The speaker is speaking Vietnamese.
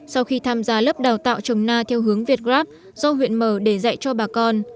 sau khi tham gia lớp đào tạo trồng na theo hướng việt grab do huyện mở để dạy cho bà con